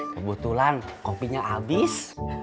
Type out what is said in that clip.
kebetulan kopinya abis